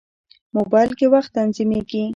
موبایل کې وخت تنظیمېږي.